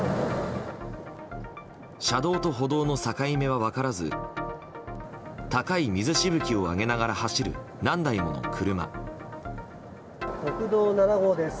車道と歩道の境目は分からず高い水しぶきを上げながら走る何台もの車。